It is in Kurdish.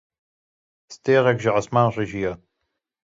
Stêrek ji esman rijiya